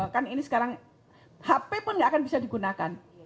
kan ini sekarang hp pun nggak akan bisa digunakan